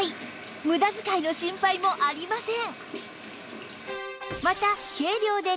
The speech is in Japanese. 無駄遣いの心配もありません